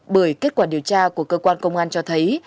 bởi kết quả điều tra của cơ quan công an cho thấy